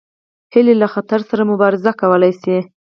هیلۍ له خطر سره مبارزه کولی شي